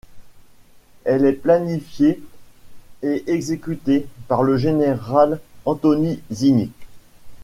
Elle est planifiée et exécutée par le général Anthony Zinni.